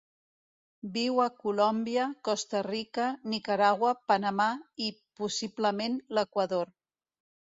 Viu a Colòmbia, Costa Rica, Nicaragua, Panamà i, possiblement, l'Equador.